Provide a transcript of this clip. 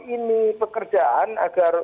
ini pekerjaan agar